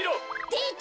でた！